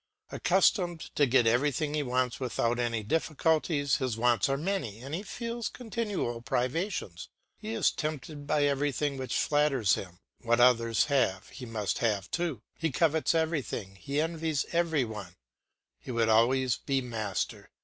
Accustomed to get everything he wants without any difficulty, his wants are many, and he feels continual privations. He is tempted by everything that flatters him; what others have, he must have too; he covets everything, he envies every one, he would always be master.